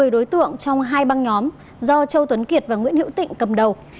một mươi đối tượng trong hai băng nhóm do châu tuấn kiệt và nguyễn hữu tịnh cầm đầu